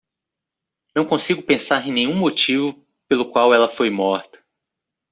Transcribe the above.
Não consigo pensar em nenhum motivo pelo qual ela foi morta.